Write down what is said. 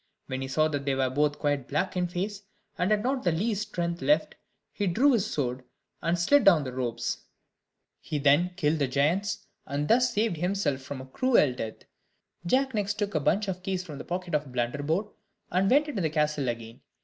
When he saw that they were both quite black in the face, and had not the least strength left, he drew his sword, and slid down the ropes; he then killed the giants, and thus saved himself from a cruel death. Jack next took a great bunch of keys from the pocket of Blunderbore, and went into the castle again.